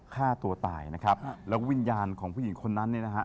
ฆ่าตัวตายนะครับแล้วก็วิญญาณของผู้หญิงคนนั้นเนี่ยนะฮะ